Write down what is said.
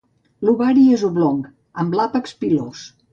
L'ovari és oblong, amb l'àpex pilós.